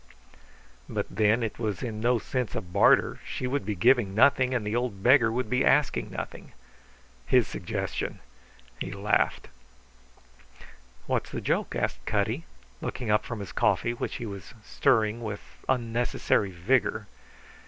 But then, it was in no sense a barter; she would be giving nothing, and the old beggar would be asking nothing. His suggestion! He laughed. "What's the joke?" asked Cutty, looking up from his coffee, which he was stirring with unnecessary vigour.